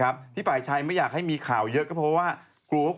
ค่อยยอมรับครูป้องนะครับ